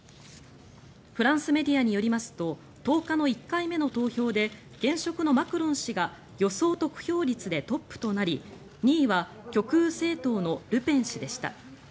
フランスメディアによりますと１０日の１回目の投票で現職のマクロン氏が予想得票率でトップとなり２位は極右政党のルペン氏でした。